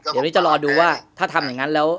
เดี๋ยวนี้จะรอดูว่าถ้าทำอย่างนั้นแล้ว